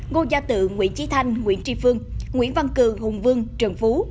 ngô gia tự nguyễn trí thanh nguyễn tri phương nguyễn văn cử hùng vương trần phú